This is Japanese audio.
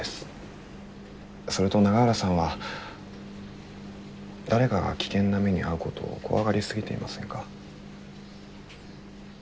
それと永浦さんは誰かが危険な目に遭うことを怖がり過ぎていませんか？